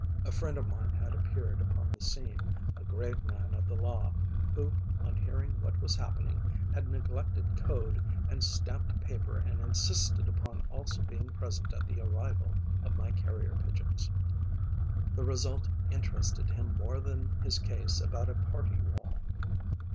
A friend of mine had appeared upon the scene, a grave man of the law, who on hearing what was happening, had neglected code and stamped paper and insisted upon also being present at the arrival of my Carrier pigeons. The result interested him more than his case about a party wall.